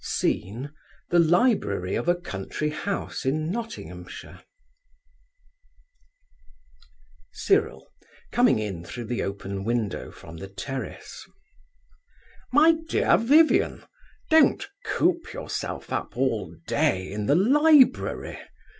Scene: the Library of a country house in Nottinghamshire. CYRIL (coming in through the open window from the terrace). My dear Vivian, don't coop yourself up all day in the library.